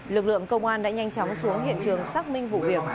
lực lượng công an đã nhanh chóng xuống hiện trường xác minh vụ việc